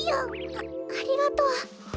あありがとう。